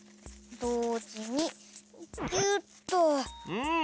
うん！